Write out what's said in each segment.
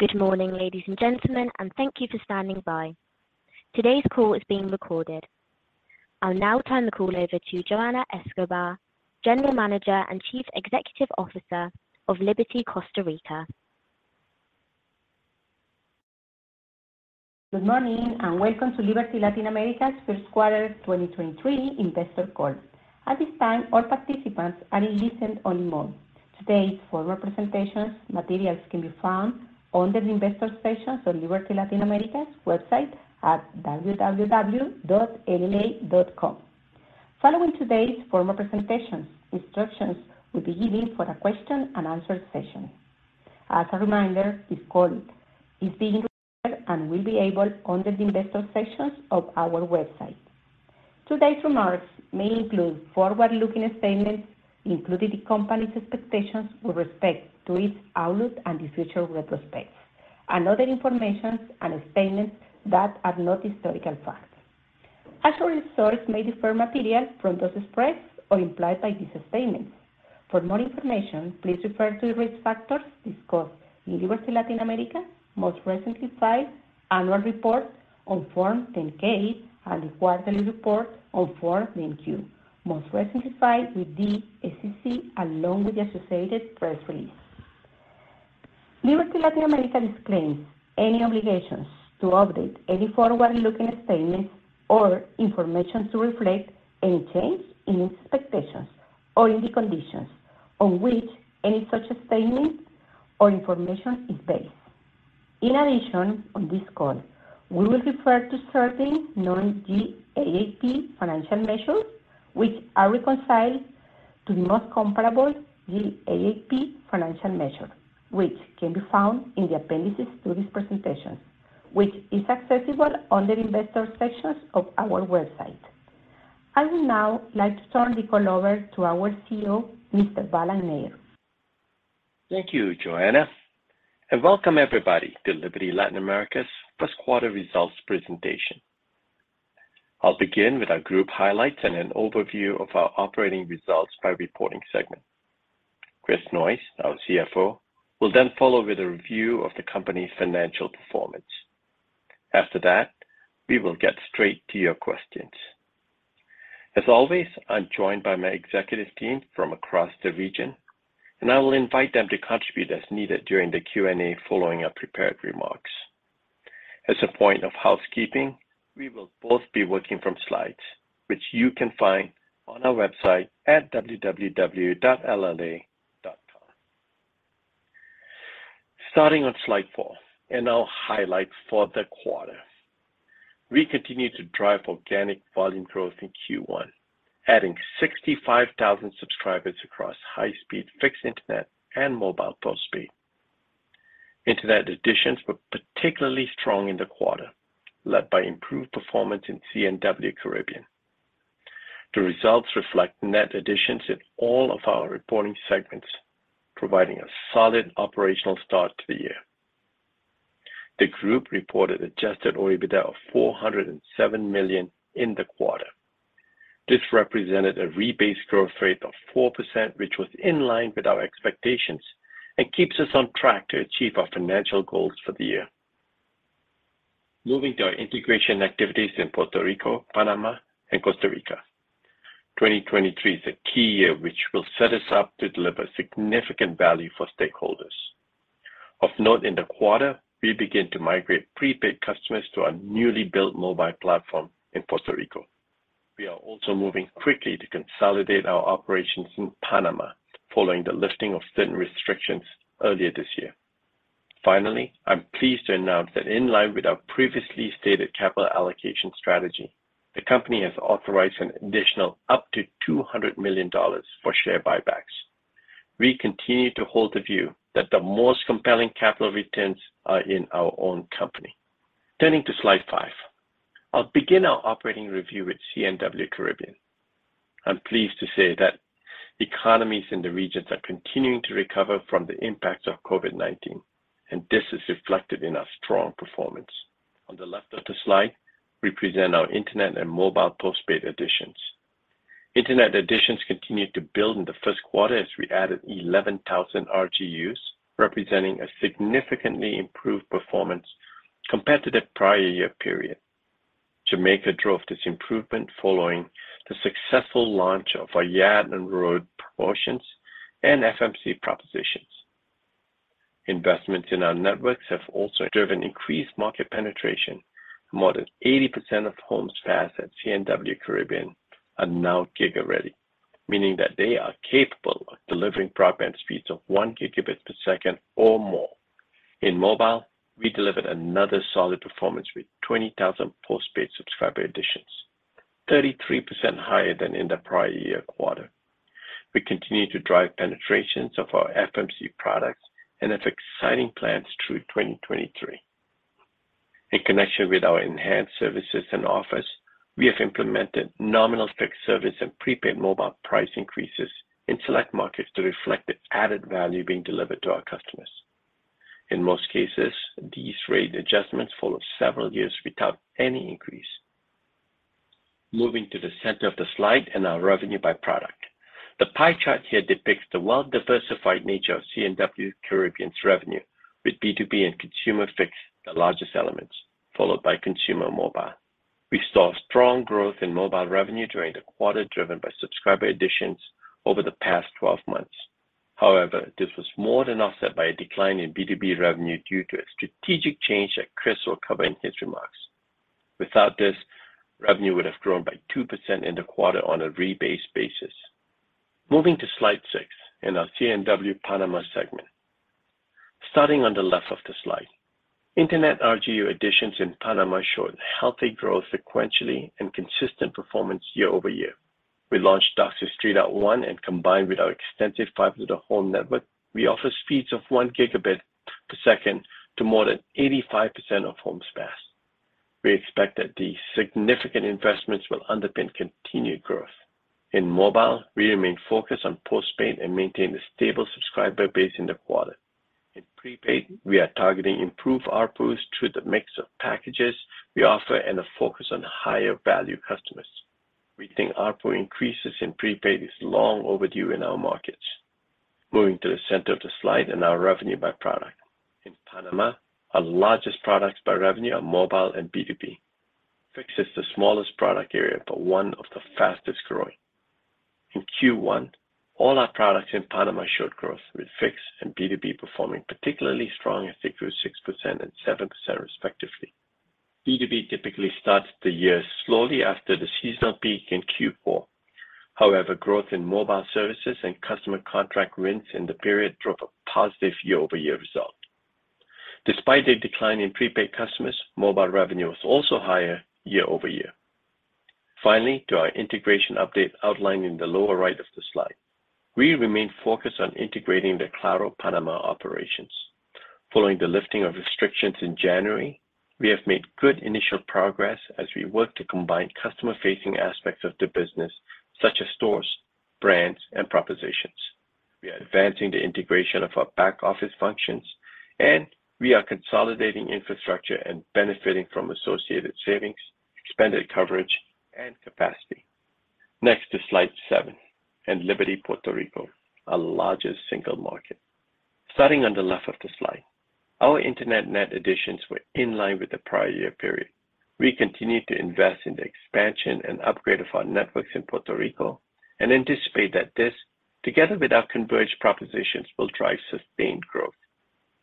Good morning, ladies and gentlemen, and thank you for standing by. Today's call is being recorded. I'll now turn the call over to Johanna Escobar, General Manager and Chief Executive Officer of Liberty Costa Rica. Good morning, and welcome to Liberty Latin America's first quarter 2023 investor call. At this time, all participants are in listen-only mode. Today's formal presentations materials can be found under the Investors section on Liberty Latin America's website at www.lla.com. Following today's formal presentations, instructions will be given for a question and answer session. As a reminder, this call is being recorded and will be available under the Investors section of our website. Today's remarks may include forward-looking statements, including the company's expectations with respect to its outlook and future prospects and other informations and statements that are not historical facts. Actual results may differ materially from those expressed or implied by these statements. For more information, please refer to the risk factors discussed in Liberty Latin America's most recently filed annual report on Form 10-K and quarterly report on Form 10-Q, most recently filed with the SEC, along with the associated press release. Liberty Latin America disclaims any obligations to update any forward-looking statements or information to reflect any change in its expectations or in the conditions on which any such statement or information is based. In addition, on this call, we will refer to certain non-GAAP financial measures which are reconciled to the most comparable GAAP financial measure, which can be found in the appendix to this presentation, which is accessible on the Investors section of our website. I would now like to turn the call over to our CEO, Mr. Balan Nair. Thank you, Johanna, welcome everybody to Liberty Latin America's first quarter results presentation. I'll begin with our group highlights and an overview of our operating results by reporting segment. Chris Noyes, our CFO, will then follow with a review of the company's financial performance. After that, we will get straight to your questions. As always, I'm joined by my executive team from across the region, and I will invite them to contribute as needed during the Q&A following our prepared remarks. As a point of housekeeping, we will both be working from slides which you can find on our website at www.lla.com. Starting on slide four, and I'll highlight for the quarter. We continued to drive organic volume growth in Q1, adding 65,000 subscribers across high-speed fixed internet and mobile postpaid. Internet additions were particularly strong in the quarter, led by improved performance in C&W Caribbean. The results reflect net additions in all of our reporting segments, providing a solid operational start to the year. The group reported Adjusted OIBDA of $407 million in the quarter. This represented a rebased growth rate of 4%, which was in line with our expectations and keeps us on track to achieve our financial goals for the year. Moving to our integration activities in Puerto Rico, Panama, and Costa Rica. 2023 is a key year which will set us up to deliver significant value for stakeholders. Of note in the quarter, we began to migrate prepaid customers to our newly built mobile platform in Puerto Rico. We are also moving quickly to consolidate our operations in Panama following the lifting of certain restrictions earlier this year. Finally, I'm pleased to announce that in line with our previously stated capital allocation strategy, the company has authorized an additional up to $200 million for share buybacks. We continue to hold the view that the most compelling capital returns are in our own company. Turning to slide five. I'll begin our operating review with C&W Caribbean. I'm pleased to say that economies in the regions are continuing to recover from the impacts of COVID-19, and this is reflected in our strong performance. On the left of the slide, we present our internet and mobile postpaid additions. Internet additions continued to build in the first quarter as we added 11,000 RGUs, representing a significantly improved performance compared to the prior year period. Jamaica drove this improvement following the successful launch of our Yard and Road promotions and FMC propositions. Investments in our networks have also driven increased market penetration. More than 80% of homes passed at C&W Caribbean are now Giga-Ready, meaning that they are capable of delivering broadband speeds of 1 gigabit per second or more. In mobile, we delivered another solid performance with 20,000 postpaid subscriber additions, 33% higher than in the prior year quarter. We continue to drive penetrations of our FMC products and have exciting plans through 2023. In connection with our enhanced services and offers, we have implemented nominal fixed service and prepaid mobile price increases in select markets to reflect the added value being delivered to our customers. In most cases, these rate adjustments follow several years without any increase. Moving to the center of the slide and our revenue by product. The pie chart here depicts the well-diversified nature of C&W Caribbean's revenue, with B2B and consumer fix the largest elements, followed by consumer mobile. We saw strong growth in mobile revenue during the quarter, driven by subscriber additions over the past 12 months. However, this was more than offset by a decline in B2B revenue due to a strategic change that Chris will cover in his remarks. Without this, revenue would have grown by 2% in the quarter on a rebased basis. Moving to slide six in our C&W Panama segment. Starting on the left of the slide, internet RGU additions in Panama showed healthy growth sequentially and consistent performance year-over-year. We launched DOCSIS 3.1 and combined with our extensive fiber to the home network, we offer speeds of 1 Gbps to more than 85% of homes passed. We expect that these significant investments will underpin continued growth. In mobile, we remain focused on postpaid and maintain a stable subscriber base in the quarter. In prepaid, we are targeting improved ARPUs through the mix of packages we offer and a focus on higher value customers. We think ARPU increases in prepaid is long overdue in our markets. Moving to the center of the slide and our revenue by product. In Panama, our largest products by revenue are mobile and B2B. Fixed is the smallest product area, but one of the fastest-growing. In Q1, all our products in Panama showed growth, with fixed and B2B performing particularly strong as they grew 6% and 7% respectively. B2B typically starts the year slowly after the seasonal peak in Q4. However, growth in mobile services and customer contract wins in the period drove a positive year-over-year result. Despite a decline in prepaid customers, mobile revenue was also higher year-over-year. Finally, to our integration update outlined in the lower right of the slide. We remain focused on integrating the Claro Panamá operations. Following the lifting of restrictions in January, we have made good initial progress as we work to combine customer-facing aspects of the business such as stores, brands, and propositions. We are advancing the integration of our back-office functions, and we are consolidating infrastructure and benefiting from associated savings, expanded coverage, and capacity. Next to slide seven, and Liberty Puerto Rico, our largest single market. Starting on the left of the slide, our internet net additions were in line with the prior year period. We continue to invest in the expansion and upgrade of our networks in Puerto Rico and anticipate that this, together with our converged propositions, will drive sustained growth.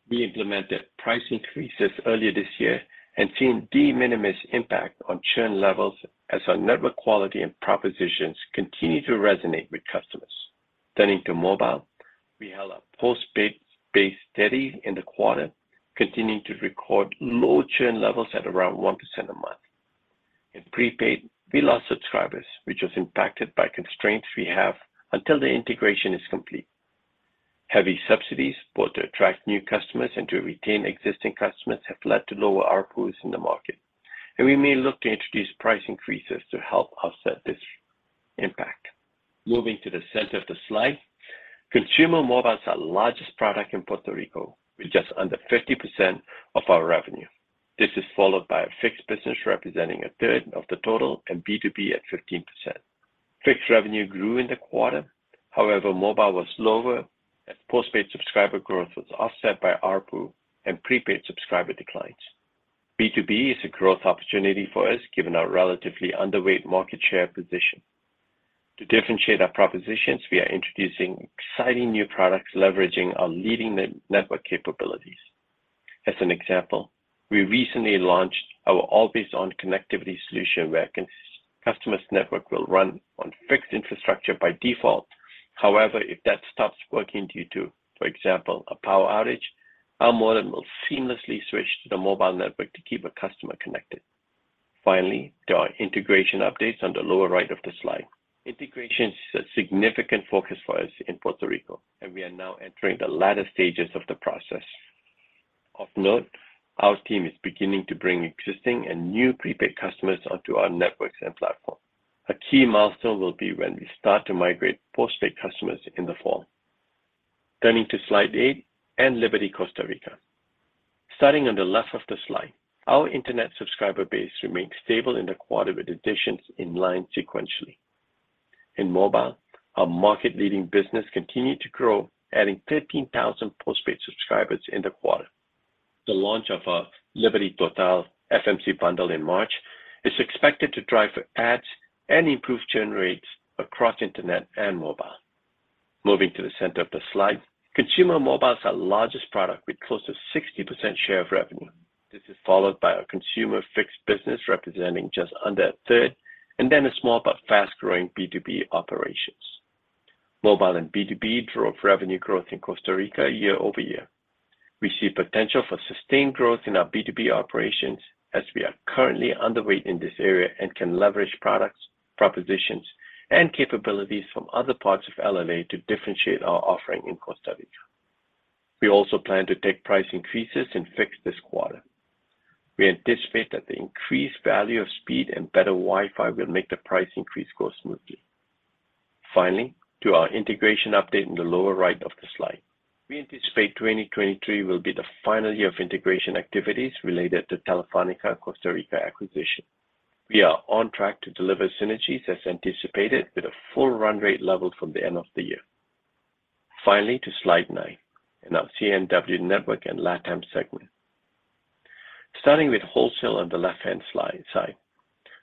We implemented price increases earlier this year and seen de minimis impact on churn levels as our network quality and propositions continue to resonate with customers. Turning to mobile, we held our postpaid base steady in the quarter, continuing to record low churn levels at around 1% a month. In prepaid, we lost subscribers, which was impacted by constraints we have until the integration is complete. Heavy subsidies, both to attract new customers and to retain existing customers, have led to lower ARPUs in the market, and we may look to introduce price increases to help offset this impact. Moving to the center of the slide, consumer mobile is our largest product in Puerto Rico, with just under 50% of our revenue. This is followed by a fixed business representing a third of the total and B2B at 15%. Fixed revenue grew in the quarter. Mobile was lower as postpaid subscriber growth was offset by ARPU and prepaid subscriber declines. B2B is a growth opportunity for us, given our relatively underweight market share position. To differentiate our propositions, we are introducing exciting new products leveraging our leading network capabilities. As an example, we recently launched our always on connectivity solution where a customer's network will run on fixed infrastructure by default. If that stops working due to, for example, a power outage, our modem will seamlessly switch to the mobile network to keep a customer connected. To our integration updates on the lower right of the slide. Integration is a significant focus for us in Puerto Rico, and we are now entering the latter stages of the process. Of note, our team is beginning to bring existing and new prepaid customers onto our networks and platform. A key milestone will be when we start to migrate postpaid customers in the fall. Turning to slide eight and Liberty Costa Rica. Starting on the left of the slide, our internet subscriber base remained stable in the quarter, with additions in line sequentially. In mobile, our market-leading business continued to grow, adding 13,000 postpaid subscribers in the quarter. The launch of our Liberty Total FMC bundle in March is expected to drive adds and improve churn rates across internet and mobile. Moving to the center of the slide, consumer mobile is our largest product with close to 60% share of revenue. This is followed by our consumer fixed business representing just under 1/3, and then a small but fast-growing B2B operations. Mobile and B2B drove revenue growth in Costa Rica year-over-year. We see potential for sustained growth in our B2B operations as we are currently underweight in this area and can leverage products, propositions, and capabilities from other parts of LLA to differentiate our offering in Costa Rica. We also plan to take price increases in fixed this quarter. We anticipate that the increased value of speed and better Wi-Fi will make the price increase go smoothly. To our integration update in the lower right of the slide. We anticipate 2023 will be the final year of integration activities related to Telefónica Costa Rica acquisition. We are on track to deliver synergies as anticipated with a full run rate level from the end of the year. To slide nine, in our C&W Networks and LatAm segment. Starting with wholesale on the left-hand side,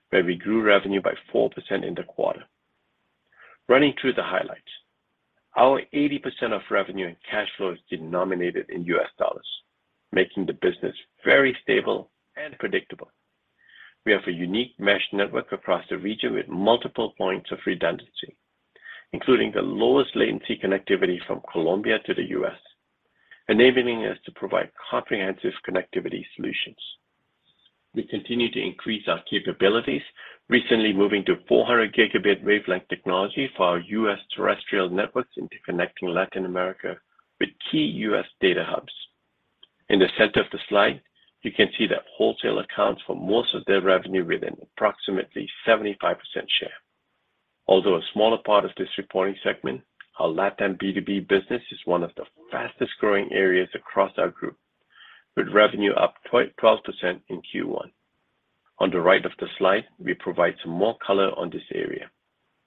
where we grew revenue by 4% in the quarter. Running through the highlights. Our 80% of revenue and cash flow is denominated in U.S. dollars, making the business very stable and predictable. We have a unique mesh network across the region with multiple points of redundancy, including the lowest latency connectivity from Colombia to the U.S., enabling us to provide comprehensive connectivity solutions. We continue to increase our capabilities, recently moving to 400-Gb wavelength technology for our U.S. terrestrial networks interconnecting Latin America with key U.S. data hubs. In the center of the slide, you can see that wholesale accounts for most of their revenue with an approximately 75% share. Although a smaller part of this reporting segment, our LatAm B2B business is one of the fastest-growing areas across our group, with revenue up 12% in Q1. On the right of the slide, we provide some more color on this area.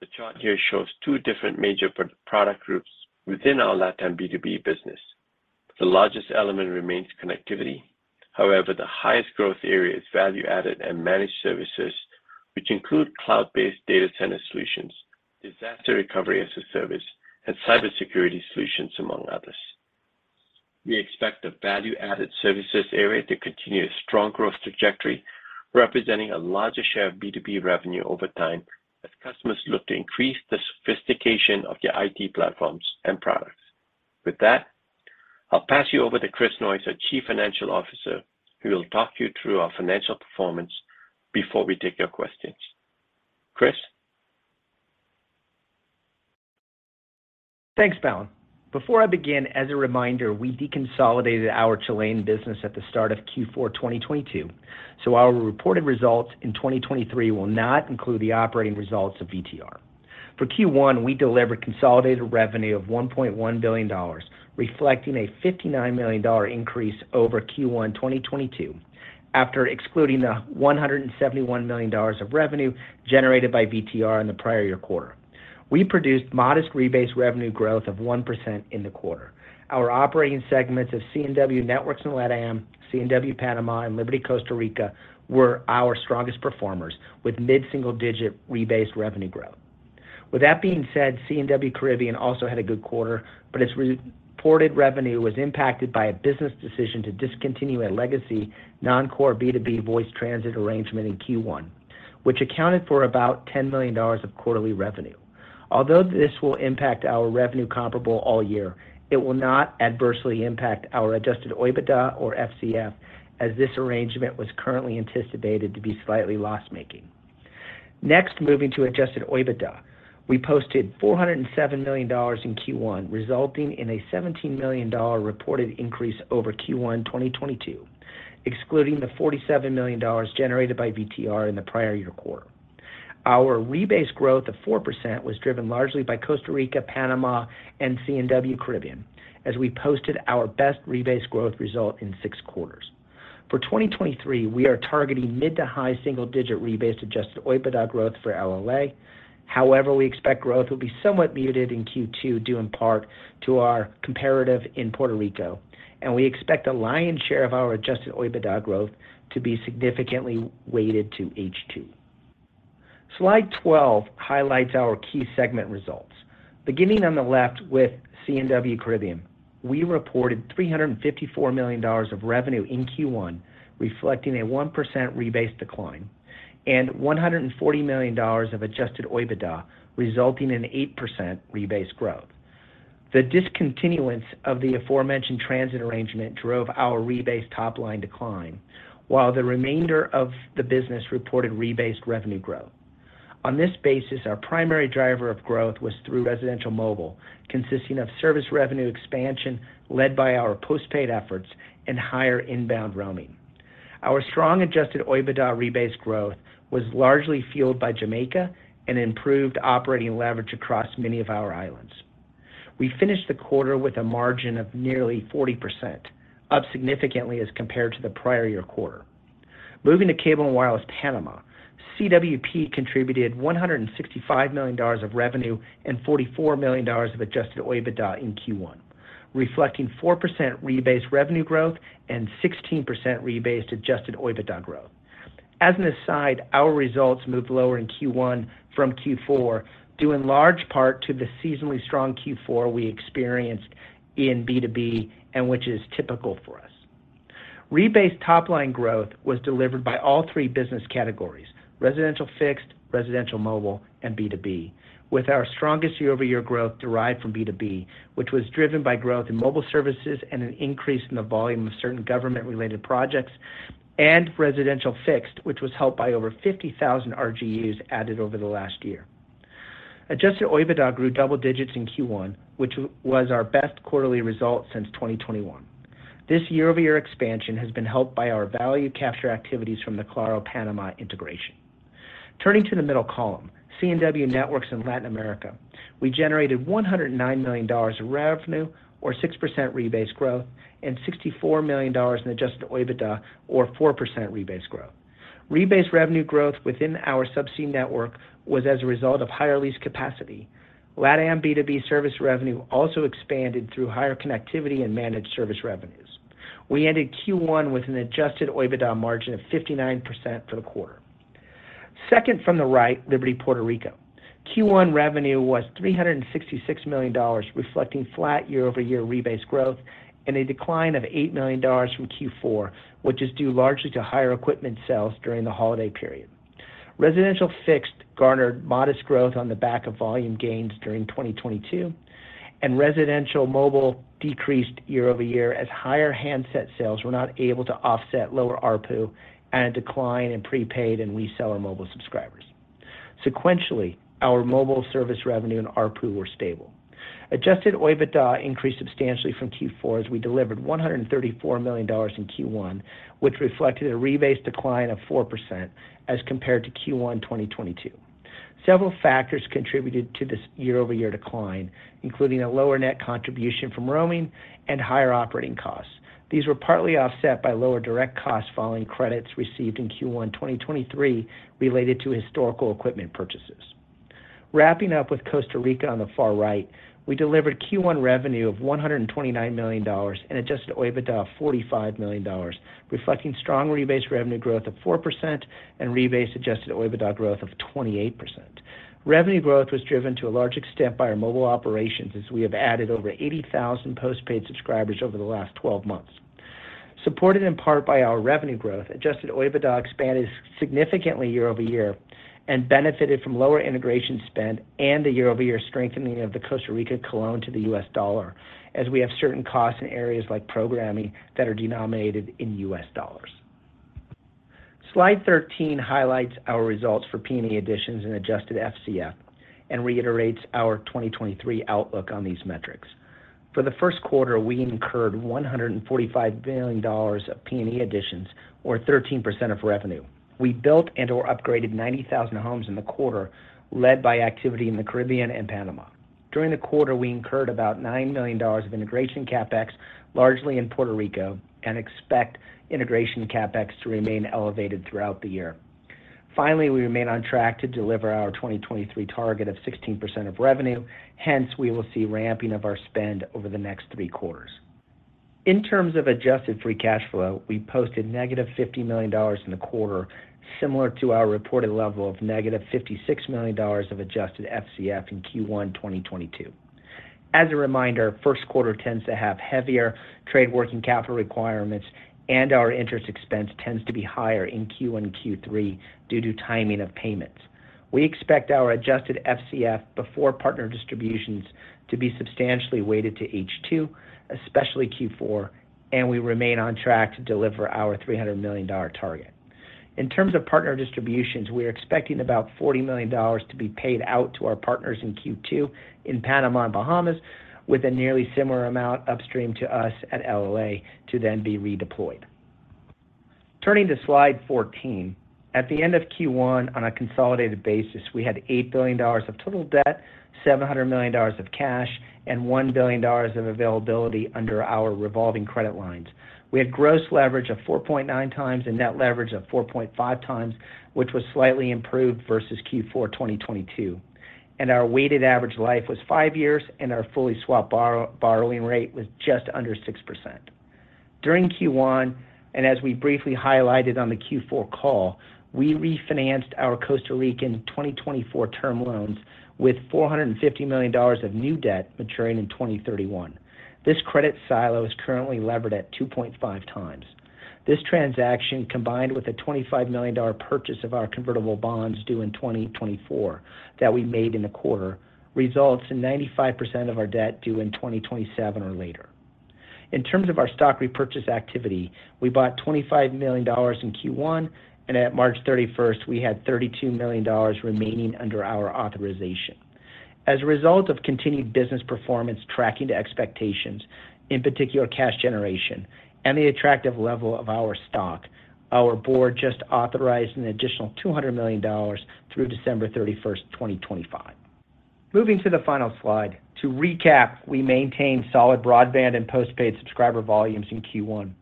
The chart here shows two different major pro-product groups within our LatAm B2B business. The largest element remains connectivity. However, the highest growth area is value-added and managed services, which include cloud-based data center solutions, disaster recovery as a service, and cybersecurity solutions, among others. We expect the value-added services area to continue a strong growth trajectory, representing a larger share of B2B revenue over time as customers look to increase the sophistication of their IT platforms and products. With that, I'll pass you over to Chris Noyes, our Chief Financial Officer, who will talk you through our financial performance before we take your questions. Chris? Thanks, Balan. Before I begin, as a reminder, we deconsolidated our Chilean business at the start of Q4 2022, so our reported results in 2023 will not include the operating results of VTR. For Q1, we delivered consolidated revenue of $1.1 billion, reflecting a $59 million increase over Q1 2022. After excluding the $171 million of revenue generated by VTR in the prior year quarter. We produced modest rebased revenue growth of 1% in the quarter. Our operating segments of C&W Networks in LatAm, C&W Panama, and Liberty Costa Rica were our strongest performers, with mid-single-digit rebased revenue growth. With that being said, C&W Caribbean also had a good quarter, but its re-reported revenue was impacted by a business decision to discontinue a legacy non-core B2B voice transit arrangement in Q1, which accounted for about $10 million of quarterly revenue. Although this will impact our revenue comparable all year, it will not adversely impact our Adjusted OIBDA or FCF, as this arrangement was currently anticipated to be slightly loss-making. Moving to Adjusted OIBDA. We posted $407 million in Q1, resulting in a $17 million reported increase over Q1 2022, excluding the $47 million generated by VTR in the prior year quarter. Our rebased growth of 4% was driven largely by Costa Rica, Panama, and C&W Caribbean, as we posted our best rebased growth result in six quarters. For 2023, we are targeting mid to high single-digit rebased Adjusted OIBDA growth for LLA. We expect growth will be somewhat muted in Q2, due in part to our comparative in Puerto Rico, and we expect the lion's share of our Adjusted OIBDA growth to be significantly weighted to H2. Slide 12 highlights our key segment results. Beginning on the left with C&W Caribbean, we reported $354 million of revenue in Q1, reflecting a 1% rebased decline, and $140 million of Adjusted OIBDA, resulting in 8% rebased growth. The discontinuance of the aforementioned transit arrangement drove our rebased top-line decline, while the remainder of the business reported rebased revenue growth. On this basis, our primary driver of growth was through residential mobile, consisting of service revenue expansion led by our postpaid efforts and higher inbound roaming. Our strong Adjusted OIBDA rebased growth was largely fueled by Jamaica and improved operating leverage across many of our islands. We finished the quarter with a margin of nearly 40%, up significantly as compared to the prior year quarter. Moving to Cable & Wireless Panamá, CWP contributed $165 million of revenue and $44 million of Adjusted OIBDA in Q1, reflecting 4% rebased revenue growth and 16% rebased Adjusted OIBDA growth. As an aside, our results moved lower in Q1 from Q4, due in large part to the seasonally strong Q4 we experienced in B2B, and which is typical for us. Rebased top-line growth was delivered by all three business categories, residential fixed, residential mobile, and B2B, with our strongest year-over-year growth derived from B2B, which was driven by growth in mobile services and an increase in the volume of certain government-related projects, and residential fixed, which was helped by over 50,000 RGUs added over the last year. Adjusted OIBDA grew double digits in Q1, which was our best quarterly result since 2021. This year-over-year expansion has been helped by our value capture activities from the Claro Panamá integration. Turning to the middle column, C&W Networks in Latin America, we generated $109 million of revenue or 6% rebase growth, and $64 million in Adjusted OIBDA or 4% rebase growth. Rebase revenue growth within our subsea network was as a result of higher lease capacity. LatAm B2B service revenue also expanded through higher connectivity and managed service revenues. We ended Q1 with an Adjusted OIBDA margin of 59% for the quarter. Second from the right, Liberty Puerto Rico. Q1 revenue was $366 million, reflecting flat year-over-year rebase growth and a decline of $8 million from Q4, which is due largely to higher equipment sales during the holiday period. Residential fixed garnered modest growth on the back of volume gains during 2022, and residential mobile decreased year-over-year as higher handset sales were not able to offset lower ARPU and a decline in prepaid and reseller mobile subscribers. Sequentially, our mobile service revenue and ARPU were stable. Adjusted OIBDA increased substantially from Q4 as we delivered $134 million in Q1, which reflected a rebase decline of 4% as compared to Q1 2022. Several factors contributed to this year-over-year decline, including a lower net contribution from roaming and higher operating costs. These were partly offset by lower direct costs following credits received in Q1 2023 related to historical equipment purchases. Wrapping up with Costa Rica on the far right, we delivered Q1 revenue of $129 million and Adjusted OIBDA of $45 million, reflecting strong rebase revenue growth of 4% and rebase Adjusted OIBDA growth of 28%. Revenue growth was driven to a large extent by our mobile operations as we have added over 80,000 postpaid subscribers over the last 12 months. Supported in part by our revenue growth, Adjusted OIBDA expanded significantly year-over-year and benefited from lower integration spend and the year-over-year strengthening of the Costa Rican colón to the U.S. dollar as we have certain costs in areas like programming that are denominated in U.S. dollars. Slide 13 highlights our results for P&E Additions and Adjusted FCF and reiterates our 2023 outlook on these metrics. For the first quarter, we incurred $145 billion of P&E Additions or 13% of revenue. We built and or upgraded 90,000 homes in the quarter, led by activity in the Caribbean and Panama. During the quarter, we incurred about $9 million of integration CapEx, largely in Puerto Rico, and expect integration CapEx to remain elevated throughout the year. Finally, we remain on track to deliver our 2023 target of 16% of revenue. We will see ramping of our spend over the next three quarters. In terms of adjusted free cash flow, we posted negative $50 million in the quarter, similar to our reported level of negative $56 million of Adjusted FCF in Q1 2022. As a reminder, first quarter tends to have heavier trade working capital requirements, and our interest expense tends to be higher in Q1 and Q3 due to timing of payments. We expect our Adjusted FCF before partner distributions to be substantially weighted to H2, especially Q4, and we remain on track to deliver our $300 million target. In terms of partner distributions, we are expecting about $40 million to be paid out to our partners in Q2 in Panama and Bahamas, with a nearly similar amount upstream to us at LLA to then be redeployed. Turning to slide 14. At the end of Q1, on a consolidated basis, we had $8 billion of total debt, $700 million of cash, and $1 billion of availability under our revolving credit lines. We had gross leverage of 4.9x and net leverage of 4.5x, which was slightly improved versus Q4 2022. Our weighted average life was five years, and our fully swap borrowing rate was just under 6%. During Q1, as we briefly highlighted on the Q4 call, we refinanced our Costa Rican 2024 term loans with $450 million of new debt maturing in 2031. This credit silo is currently levered at 2.5x. This transaction, combined with a $25 million purchase of our convertible bonds due in 2024 that we made in the quarter, results in 95% of our debt due in 2027 or later. In terms of our stock repurchase activity, we bought $25 million in Q1, and at March 31st, we had $32 million remaining under our authorization. As a result of continued business performance tracking to expectations, in particular cash generation and the attractive level of our stock, our board just authorized an additional $200 million through December 31st, 2025. Moving to the final slide. To recap, we maintained solid broadband and postpaid subscriber volumes in Q1,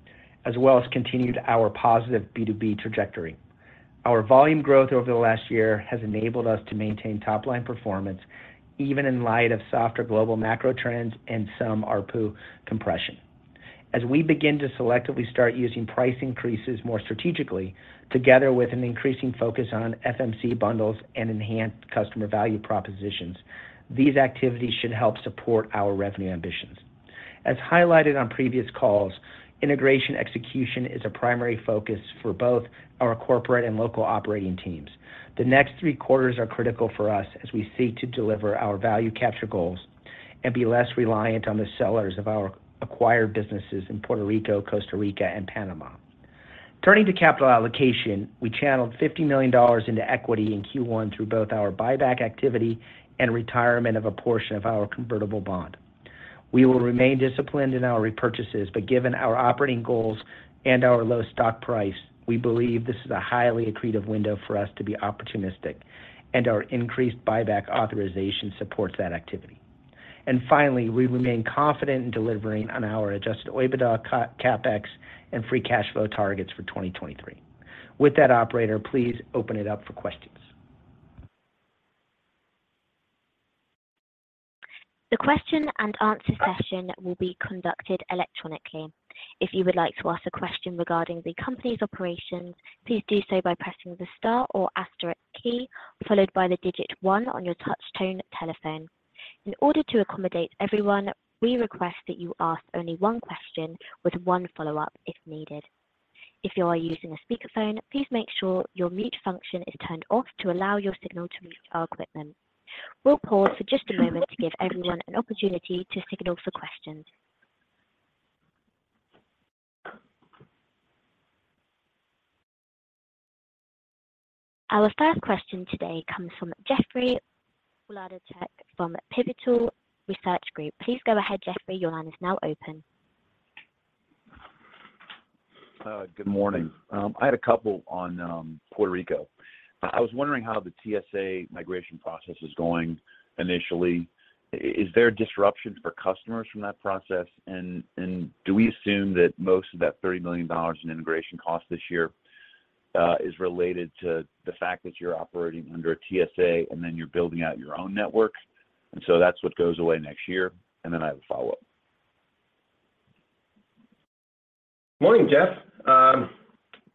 as well as continued our positive B2B trajectory. Our volume growth over the last year has enabled us to maintain top line performance, even in light of softer global macro trends and some ARPU compression. As we begin to selectively start using price increases more strategically, together with an increasing focus on FMC bundles and enhanced customer value propositions, these activities should help support our revenue ambitions. As highlighted on previous calls, integration execution is a primary focus for both our corporate and local operating teams. The next three quarters are critical for us as we seek to deliver our value capture goals and be less reliant on the sellers of our acquired businesses in Puerto Rico, Costa Rica, and Panama. Turning to capital allocation, we channeled $50 million into equity in Q1 through both our buyback activity and retirement of a portion of our convertible bond. We will remain disciplined in our repurchases, but given our operating goals and our low stock price, we believe this is a highly accretive window for us to be opportunistic, and our increased buyback authorization supports that activity. Finally, we remain confident in delivering on our Adjusted OIBDA, CapEx, and free cash flow targets for 2023. With that, operator, please open it up for questions. The question and answer session will be conducted electronically. If you would like to ask a question regarding the company's operations, please do so by pressing the star or asterisk key, followed by the one on your touch tone telephone. In order to accommodate everyone, we request that you ask only one question with one follow-up, if needed. If you are using a speakerphone, please make sure your mute function is turned off to allow your signal to reach our equipment. We'll pause for just a moment to give everyone an opportunity to signal for questions. Our first question today comes from Jeffrey Wlodarczak from Pivotal Research Group. Please go ahead, Jeffrey. Your line is now open. Good morning. I had a couple on Puerto Rico. I was wondering how the TSA migration process is going initially? Is there disruption for customers from that process? Do we assume that most of that $30 million in integration cost this year is related to the fact that you're operating under a TSA and then you're building out your own network, and so that's what goes away next year? I have a follow-up. Morning, Jeff.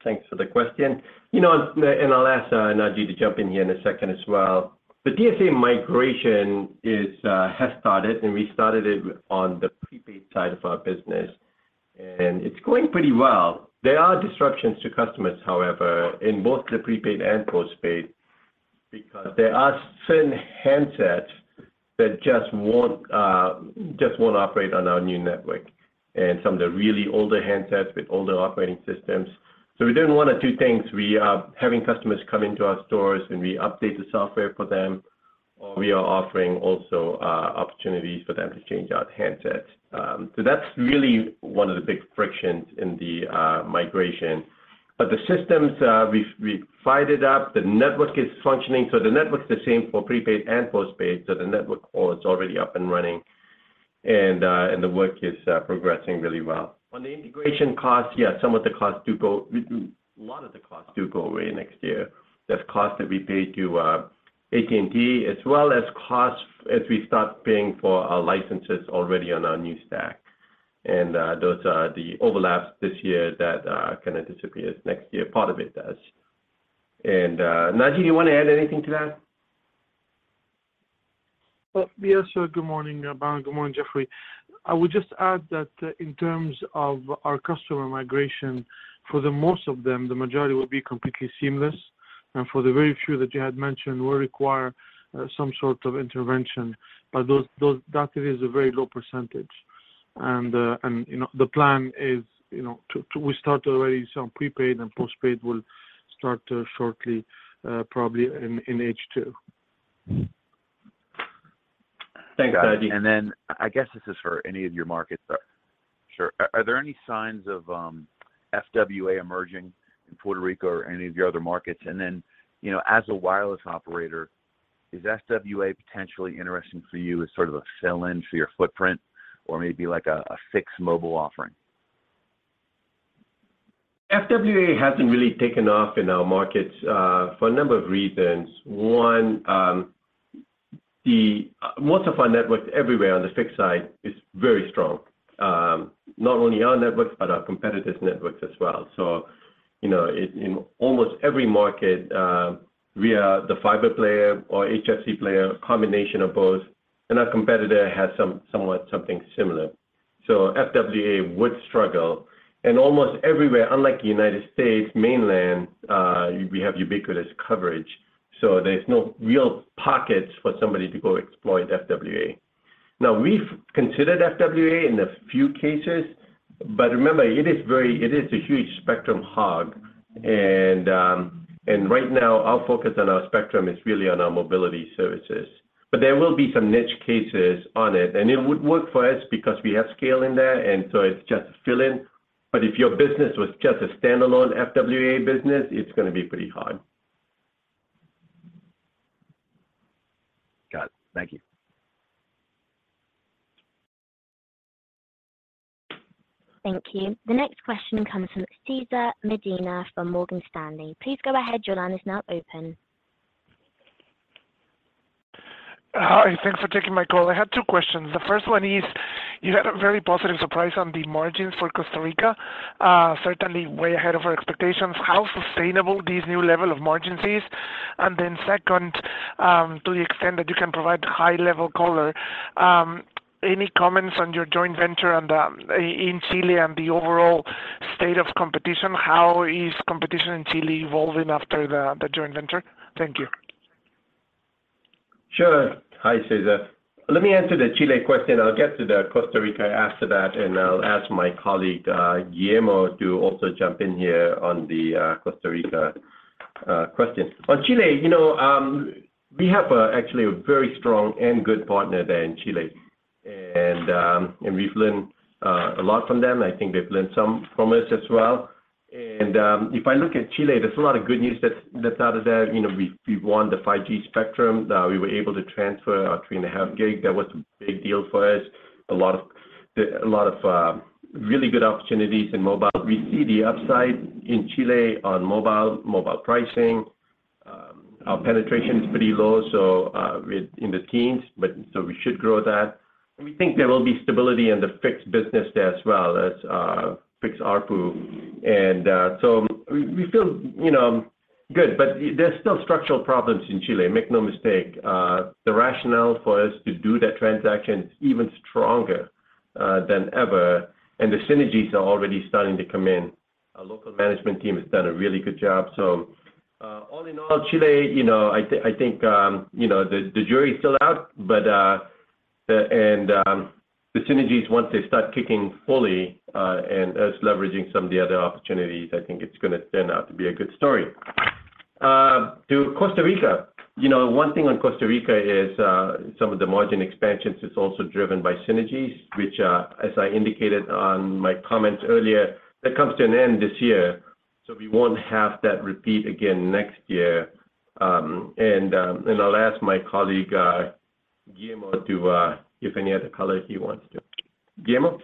Thanks for the question. You know, I'll ask Naji to jump in here in a second as well. The TSA migration has started. We started it on the prepaid side of our business. It's going pretty well. There are disruptions to customers, however, in both the prepaid and postpaid, because there are certain handsets that just won't operate on our new network and some of the really older handsets with older operating systems. We're doing one of two things. We are having customers come into our stores, and we update the software for them, or we are offering also opportunities for them to change out handsets. That's really one of the big frictions in the migration. The systems, we've fired it up. The network is functioning. The network's the same for prepaid and postpaid, the network core is already up and running, and the work is progressing really well. On the integration cost, yes, a lot of the costs do go away next year. There's costs that we pay to AT&T, as well as costs as we start paying for our licenses already on our new stack. Those are the overlaps this year that kinda disappears next year. Part of it does. Naji, do you wanna add anything to that? Well, yes, sir. Good morning, Balan. Good morning, Jeffrey. I would just add that in terms of our customer migration, for the most of them, the majority will be completely seamless. For the very few that you had mentioned will require some sort of intervention. Those that is a very low percentage. You know, the plan is, you know, to we start already some prepaid and postpaid will start shortly, probably in H2. Thanks, Naji. I guess this is for any of your markets. Sure. Are there any signs of FWA emerging in Puerto Rico or any of your other markets? You know, as a wireless operator, is FWA potentially interesting for you as sort of a fill-in for your footprint or maybe like a fixed mobile offering? FWA hasn't really taken off in our markets for a number of reasons. One, most of our networks everywhere on the fixed side is very strong, not only our networks, but our competitors' networks as well. You know, in almost every market, we are the fiber player or HFC player, combination of both, and our competitor has somewhat something similar. FWA would struggle. Almost everywhere, unlike United States mainland, we have ubiquitous coverage, so there's no real pockets for somebody to go exploit FWA. Now, we've considered FWA in a few cases, but remember, it is a huge spectrum hog, and right now, our focus on our spectrum is really on our mobility services. There will be some niche cases on it, and it would work for us because we have scale in there, and so it's just a fill-in. If your business was just a standalone FWA business, it's gonna be pretty hard. Got it. Thank you. Thank you. The next question comes from Cesar Medina from Morgan Stanley. Please go ahead. Your line is now open. Hi. Thanks for taking my call. I had two questions. The first one is, you had a very positive surprise on the margins for Costa Rica, certainly way ahead of our expectations. How sustainable these new level of margins is? Second, to the extent that you can provide high-level color, any comments on your joint venture and in Chile and the overall state of competition? How is competition in Chile evolving after the joint venture? Thank you. Sure. Hi, Cesar. Let me answer the Chile question. I'll get to the Costa Rica after that. I'll ask my colleague, Guillermo, to also jump in here on the Costa Rica question. On Chile, you know, we have actually a very strong and good partner there in Chile. We've learned a lot from them. I think they've learned some from us as well. If I look at Chile, there's a lot of good news that's out of there. You know, we've won the 5G spectrum that we were able to transfer, 3.5 GHz. That was a big deal for us. A lot of really good opportunities in mobile. We see the upside in Chile on mobile pricing. Our penetration is pretty low, so we're in the teens, but so we should grow that. We think there will be stability in the fixed business there as well as fixed ARPU. So we feel, you know, good. There's still structural problems in Chile, make no mistake. The rationale for us to do that transaction is even stronger than ever, and the synergies are already starting to come in. Our local management team has done a really good job. All in all, Chile, you know, I think, you know, the jury is still out, but, and the synergies, once they start kicking fully, and us leveraging some of the other opportunities, I think it's gonna turn out to be a good story. To Costa Rica. You know, one thing on Costa Rica is, some of the margin expansions is also driven by synergies, which, as I indicated on my comments earlier, that comes to an end this year. We won't have that repeat again next year. I'll ask my colleague, Guillermo, to give any other color he wants to. Guillermo?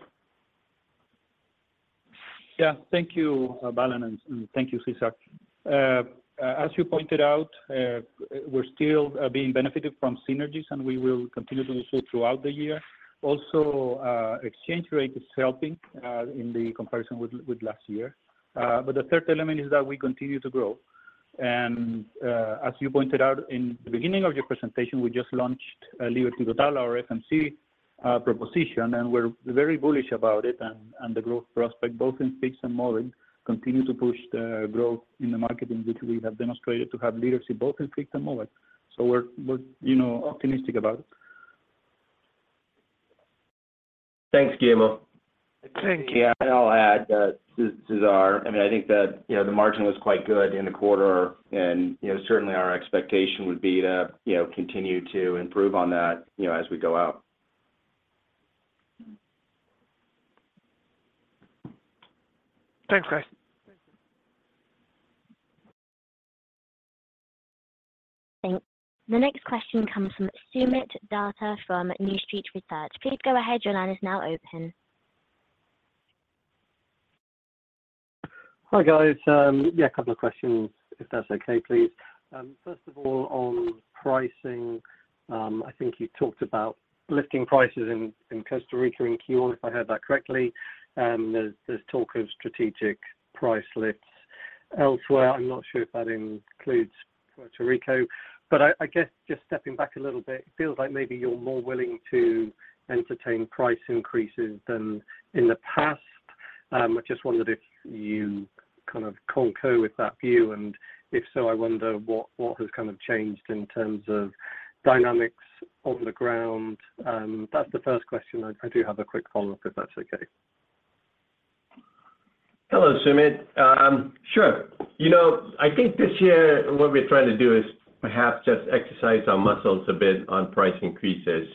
Yeah. Thank you, Balan, and thank you, Cesar. As you pointed out, we're still being benefited from synergies, and we will continue to do so throughout the year. Exchange rate is helping in the comparison with last year. The third element is that we continue to grow. As you pointed out in the beginning of your presentation, we just launched Thanks, Guillermo. Thank you. Yeah. I'll add that, Cesar. I mean, I think that, you know, the margin was quite good in the quarter. Certainly our expectation would be to, you know, continue to improve on that, you know, as we go out. Thanks, guys. Thanks. The next question comes from Soomit Datta from New Street Research. Please go ahead. Your line is now open. Hi, guys. Yeah, a couple of questions, if that's okay, please. First of all, on pricing, I think you talked about lifting prices in Costa Rica and Q1, if I heard that correctly. There's talk of strategic price lifts elsewhere. I'm not sure if that includes Puerto Rico. I guess just stepping back a little bit, it feels like maybe you're more willing to entertain price increases than in the past. I just wondered if you kind of concur with that view. If so, I wonder what has kind of changed in terms of dynamics on the ground. That's the first question. I do have a quick follow-up if that's okay. Hello, Soomit. Sure. You know, I think this year what we're trying to do is perhaps just exercise our muscles a bit on price increases.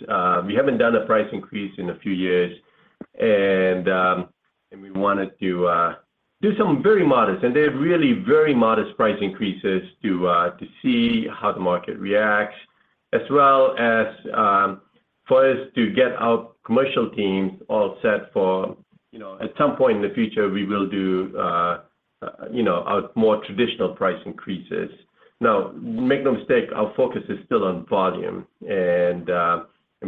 We haven't done a price increase in a few years and we wanted to do something very modest. They're really very modest price increases to see how the market reacts, as well as for us to get our commercial teams all set for, you know, at some point in the future, we will do, you know, our more traditional price increases. Make no mistake, our focus is still on volume and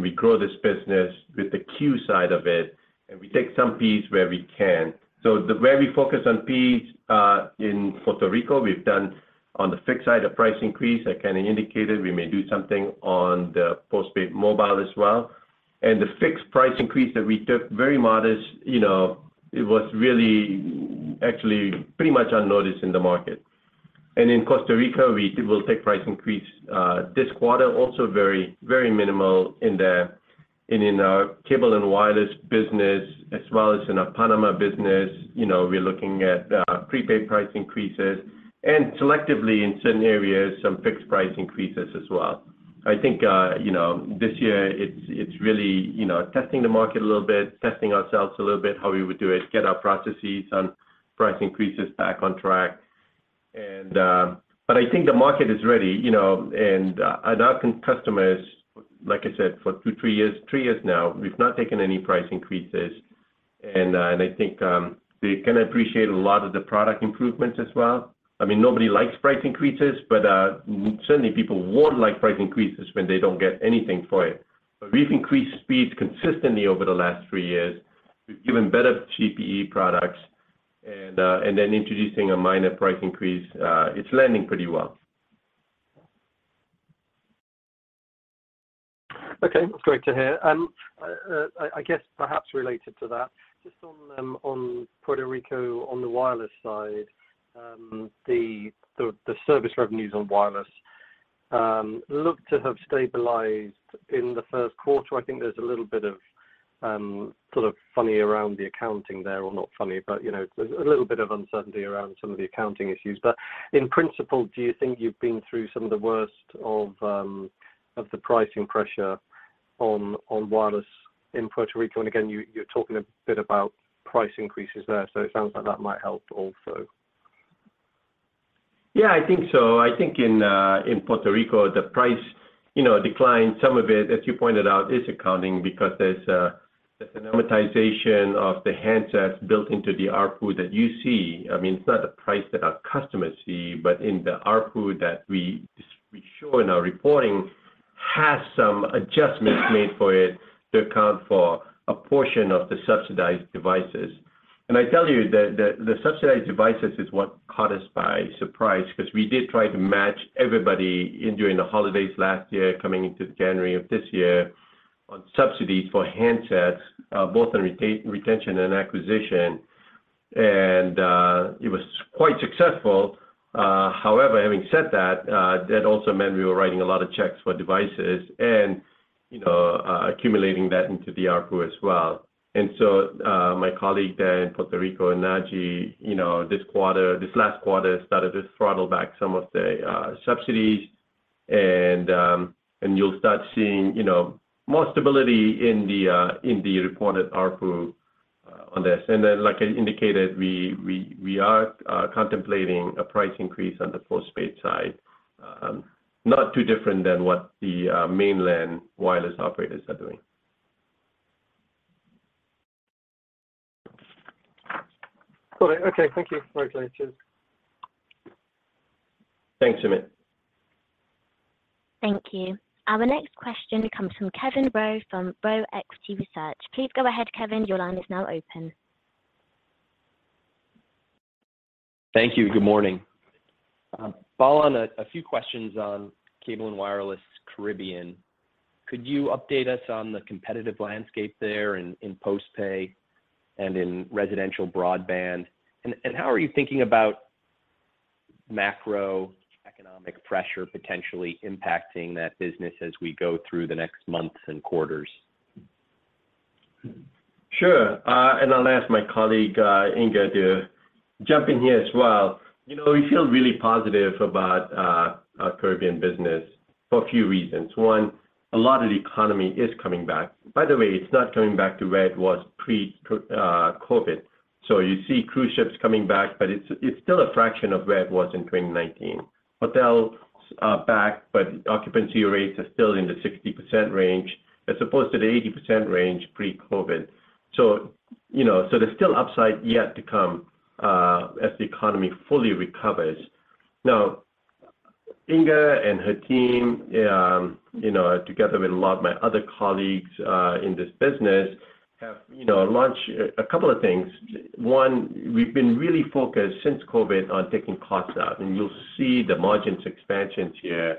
we grow this business with the Q side of it, and we take some fees where we can. The way we focus on fees, in Puerto Rico, we've done on the fixed side a price increase. I kind of indicated we may do something on the postpaid mobile as well. The fixed price increase that we took, very modest, you know, it was really actually pretty much unnoticed in the market. In Costa Rica, we will take price increase this quarter, also very, very minimal in our cable and wireless business as well as in our Panama business. You know, we're looking at prepaid price increases and selectively in certain areas, some fixed price increases as well. I think, you know, this year it's really, you know, testing the market a little bit, testing ourselves a little bit, how we would do it, get our processes on price increases back on track. But I think the market is ready, you know, and our customers, like I said, for two, three years, three years now, we've not taken any price increases. I think they can appreciate a lot of the product improvements as well. I mean, nobody likes price increases, but certainly people won't like price increases when they don't get anything for it. We've increased speeds consistently over the last three years. We've given better CPE products, and then introducing a minor price increase, it's landing pretty well. Okay, great to hear. I guess perhaps related to that, just on Puerto Rico, on the wireless side, the service revenues on wireless look to have stabilized in the first quarter. I think there's a little bit of sort of funny around the accounting there or not funny, but, you know, a little bit of uncertainty around some of the accounting issues. In principle, do you think you've been through some of the worst of the pricing pressure on wireless in Puerto Rico? Again, you're talking a bit about price increases there, so it sounds like that might help also. Yeah, I think so. I think in Puerto Rico, the price, you know, declined some of it, as you pointed out, is accounting because there's an amortization of the handsets built into the ARPU that you see. I mean, it's not a price that our customers see, but in the ARPU that we show in our reporting has some adjustments made for it to account for a portion of the subsidized devices. I tell you that the subsidized devices is what caught us by surprise because we did try to match everybody in during the holidays last year, coming into January of this year on subsidies for handsets, both on retention and acquisition, and it was quite successful. However, having said that also meant we were writing a lot of checks for devices and accumulating that into the ARPU as well. My colleague there in Puerto Rico, Naji, this quarter, this last quarter started to throttle back some of the subsidies and you'll start seeing more stability in the reported ARPU on this. Like I indicated, we are contemplating a price increase on the postpaid side, not too different than what the mainland wireless operators are doing. Got it. Okay. Thank you. Cheers. Thanks, Soot. Thank you. Our next question comes from Kevin Roe from Roe Equity Research. Please go ahead, Kevin. Your line is now open. Thank you. Good morning. Follow on a few questions on Cable & Wireless Caribbean. Could you update us on the competitive landscape there in postpaid and in residential broadband? How are you thinking about macroeconomic pressure potentially impacting that business as we go through the next months and quarters? Sure. And I'll ask my colleague, Inge, to jump in here as well. You know, we feel really positive about our Caribbean business for a few reasons. One, a lot of the economy is coming back. By the way, it's not coming back to where it was pre-COVID. You see cruise ships coming back, but it's still a fraction of where it was in 2019. Hotels are back, but occupancy rates are still in the 60% range as opposed to the 80% range pre-COVID. You know, there's still upside yet to come as the economy fully recovers. Now, Inge and her team, you know, together with a lot of my other colleagues in this business have, you know, launched a couple of things. One, we've been really focused since COVID on taking costs out, and you'll see the margins expansions here.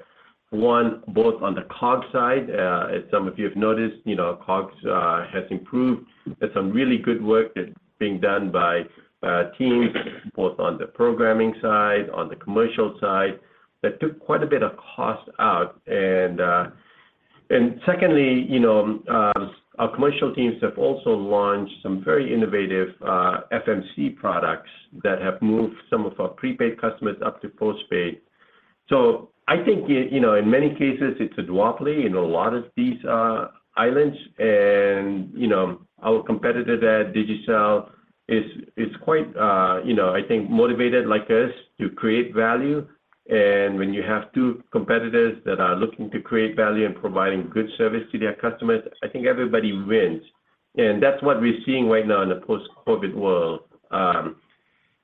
One, both on the COGS side, as some of you have noticed, you know, COGS has improved. There's some really good work that's being done by teams both on the programming side, on the commercial side, that took quite a bit of cost out. Secondly, you know, our commercial teams have also launched some very innovative FMC products that have moved some of our prepaid customers up to postpaid. I think, you know, in many cases it's a duopoly in a lot of these islands and, you know, our competitor there, Digicel, is quite, you know, I think motivated like us to create value. When you have two competitors that are looking to create value and providing good service to their customers, I think everybody wins. That's what we're seeing right now in a post-COVID world.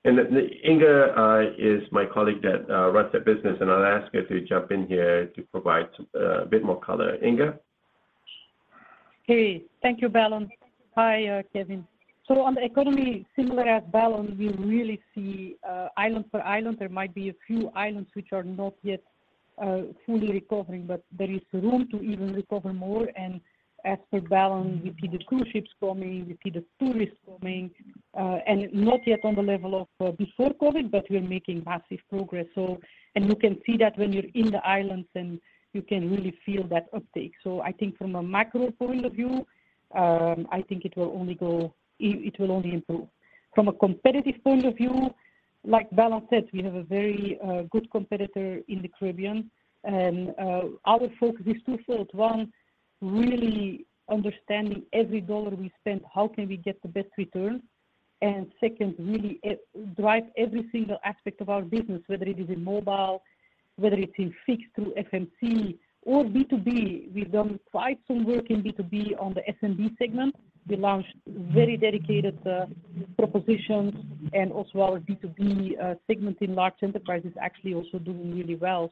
Inge is my colleague that runs that business, and I'll ask her to jump in here to provide a bit more color. Inge? Hey. Thank you, Balan. Hi, Kevin. On the economy, similar as Balan, we really see island for island. There might be a few islands which are not yet fully recovering, but there is room to even recover more. As for Balan, we see the cruise ships coming, we see the tourists coming, and not yet on the level of before COVID, but we're making massive progress. You can see that when you're in the islands, and you can really feel that uptake. I think from a macro point of view, I think it will only improve. From a competitive point of view, like Balan said, we have a very good competitor in the Caribbean and our focus is twofold. One, really understanding every dollar we spend, how can we get the best return? Second, really, drive every single aspect of our business, whether it is in mobile, whether it's in fixed through FMC or B2B. We've done quite some work in B2B on the SMB segment. We launched very dedicated propositions and also our B2B segment in large enterprises actually also doing really well.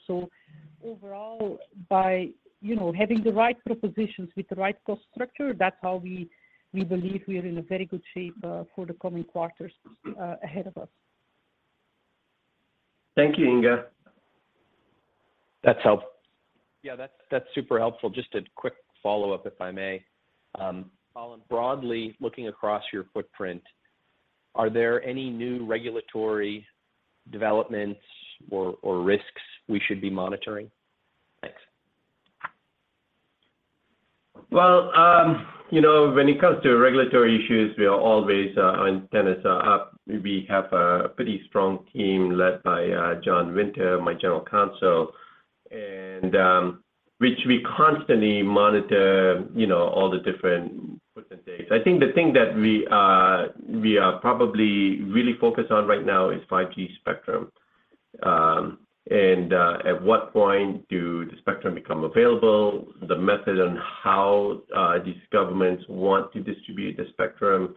Overall, by, you know, having the right propositions with the right cost structure, that's how we believe we are in a very good shape for the coming quarters ahead of us. Thank you, Inge. Yeah, that's super helpful. Just a quick follow-up, if I may. Balan, broadly looking across your footprint, are there any new regulatory developments or risks we should be monitoring? Thanks. Well, you know, when it comes to regulatory issues, we are always on tenterhooks. We have a pretty strong team led by John Winter, my general counsel, and which we constantly monitor, you know, all the different footprint days. I think the thing that we are probably really focused on right now is 5G spectrum. At what point do the spectrum become available, the method on how these governments want to distribute the spectrum,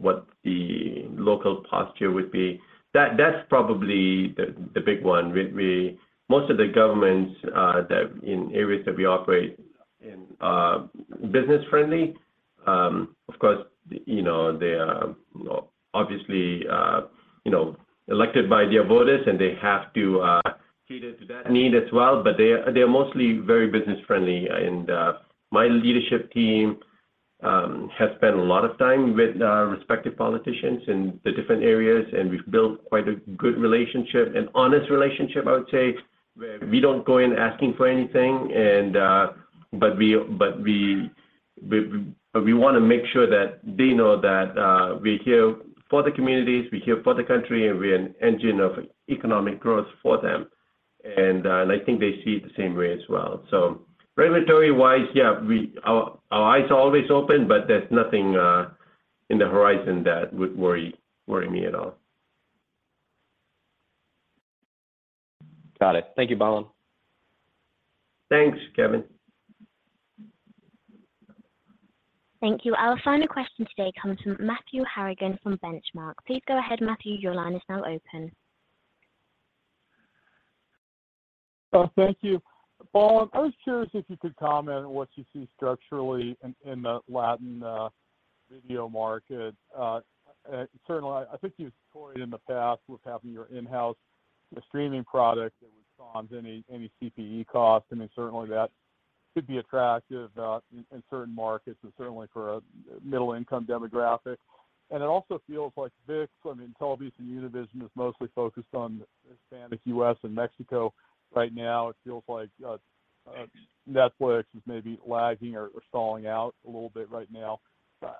what the local posture would be. That's probably the big one. Most of the governments that in areas that we operate in are business friendly. Of course, you know, they are obviously elected by their voters, they have to cater to that need as well, but they're mostly very business friendly. My leadership team has spent a lot of time with respective politicians in the different areas, we've built quite a good relationship, an honest relationship, I would say, where we don't go in asking for anything. But we wanna make sure that they know that we're here for the communities, we're here for the country, we're an engine of economic growth for them. I think they see it the same way as well. Regulatory-wise, yeah, our eyes are always open, but there's nothing in the horizon that would worry me at all. Got it. Thank you, Balan. Thanks, Kevin. Thank you. Our final question today comes from Matthew Harrigan from Benchmark. Please go ahead, Matthew. Your line is now open. Thank you. Balan, I was curious if you could comment what you see structurally in the Latin video market. Certainly, I think you've toyed in the past with having your in-house streaming product that responds any CPE cost, and then certainly that could be attractive in certain markets and certainly for a middle income demographic. It also feels like ViX, I mean, Televisa and TelevisaUnivision is mostly focused on Hispanic U.S. and Mexico right now. It feels like Netflix is maybe lagging or stalling out a little bit right now.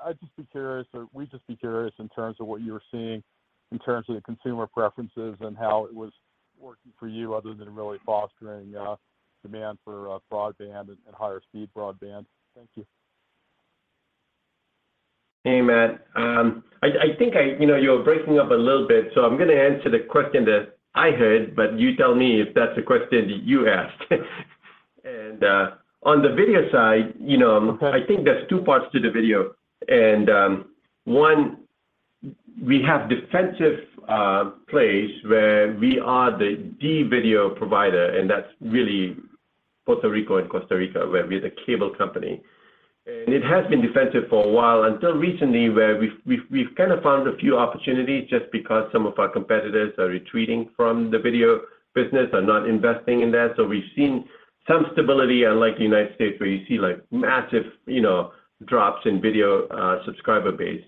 I'd just be curious or we'd just be curious in terms of what you're seeing in terms of the consumer preferences and how it was working for you other than really fostering demand for broadband and higher speed broadband. Thank you. Hey, Matt. You know, you're breaking up a little bit, so I'm gonna answer the question that I heard, but you tell me if that's the question that you asked. On the video side, you know, I think there's two parts to the video. One, we have defensive plays where we are the video provider, and that's really Puerto Rico and Costa Rica, where we're the cable company. It has been defensive for a while, until recently, where we've kinda found a few opportunities just because some of our competitors are retreating from the video business or not investing in that. We've seen some stability, unlike the United States, where you see, like, massive, you know, drops in video subscriber base.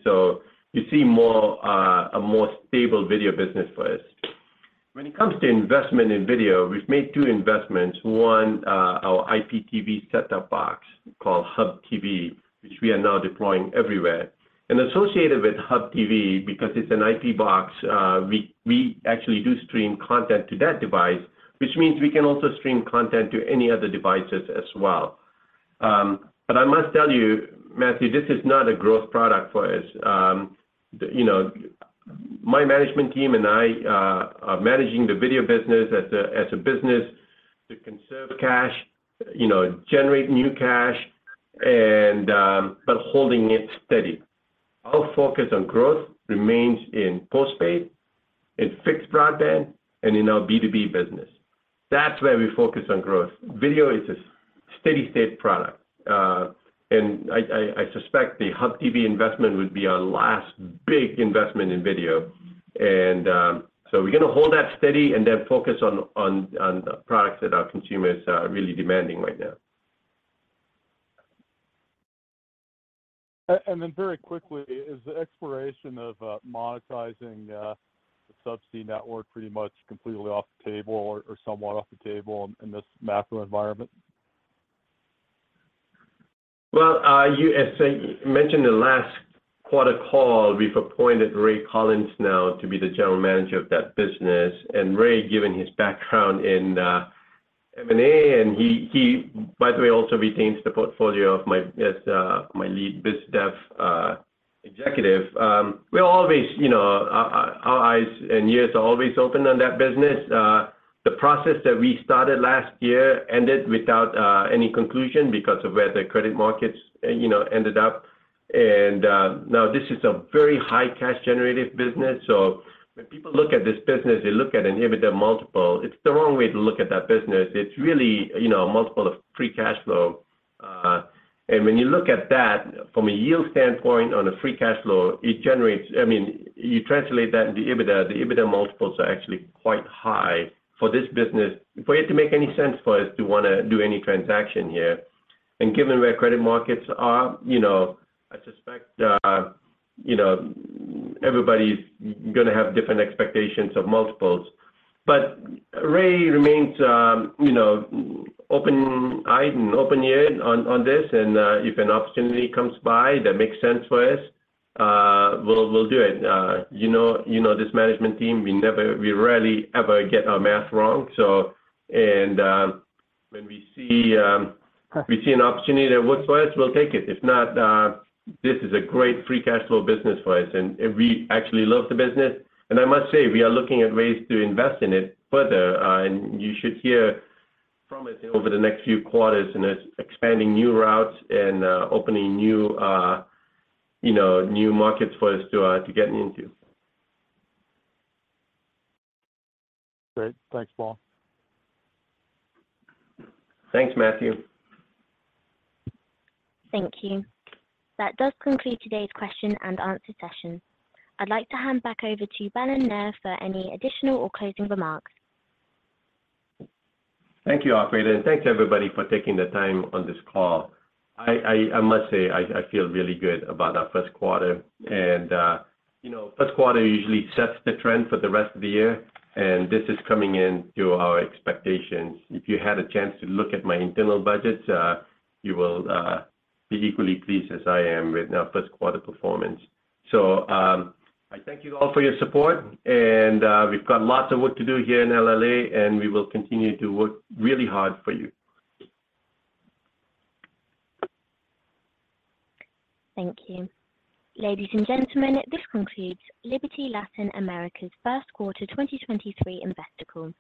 You see more a more stable video business for us. When it comes to investment in video, we've made two investments. One, our IPTV setup box called Hub TV, which we are now deploying everywhere. Associated with Hub TV, because it's an IP box, we actually do stream content to that device, which means we can also stream content to any other devices as well. I must tell you, Matthew, this is not a growth product for us. You know, my management team and I, are managing the video business as a business to conserve cash, you know, generate new cash and, but holding it steady. Our focus on growth remains in postpaid, in fixed broadband, and in our B2B business. That's where we focus on growth. Video is a steady state product. I suspect the Hub TV investment would be our last big investment in video. We're gonna hold that steady and then focus on the products that our consumers are really demanding right now. Very quickly, is the exploration of monetizing the subsea network pretty much completely off the table or somewhat off the table in this macro environment? Well, as I mentioned in the last quarter call, we've appointed Ray Collins now to be the general manager of that business. Ray, given his background in M&A, and he by the way, also retains the portfolio of my, as my lead biz dev executive. We're always, you know, our eyes and ears are always open on that business. The process that we started last year ended without any conclusion because of where the credit markets, you know, ended up. Now this is a very high cash generative business, so when people look at this business, they look at an EBITDA multiple. It's the wrong way to look at that business. It's really, you know, a multiple of free cash flow. When you look at that from a yield standpoint on a free cash flow, it generates. I mean, you translate that into EBITDA. The EBITDA multiples are actually quite high for this business. For it to make any sense for us to wanna do any transaction here, and given where credit markets are, you know, I suspect, you know, everybody's gonna have different expectations of multiples. Ray remains, you know, open eyed and open eared on this. If an opportunity comes by that makes sense for us, we'll do it. You know, you know this management team, we rarely ever get our math wrong. When we see an opportunity that works for us, we'll take it. If not, this is a great free cash flow business for us. We actually love the business. I must say, we are looking at ways to invest in it further. You should hear from us over the next few quarters, it's expanding new routes and opening new, you know, new markets for us to get into. Great. Thanks, Balan. Thanks, Matthew. Thank you. That does conclude today's question and answer session. I'd like to hand back over to Balan Nair for any additional or closing remarks. Thank you, Operator, and thanks everybody for taking the time on this call. I must say I feel really good about our first quarter, you know. First quarter usually sets the trend for the rest of the year. This is coming in to our expectations. If you had a chance to look at my internal budgets, you will be equally pleased as I am with our first quarter performance. I thank you all for your support. We've got lots of work to do here in LLA, and we will continue to work really hard for you. Thank you. Ladies and gentlemen, this concludes Liberty Latin America's first quarter 2023 investor call.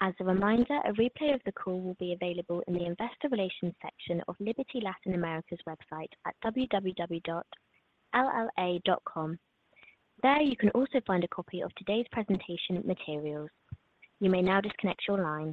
As a reminder, a replay of the call will be available in the investor relations section of Liberty Latin America's website at www.lla.com. There, you can also find a copy of today's presentation materials. You may now disconnect your line.